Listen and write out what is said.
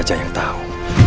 hanya ku tahu